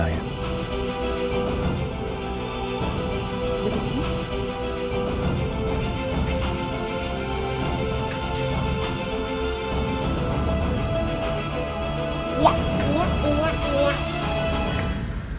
ini adalah kekuatan bapak suci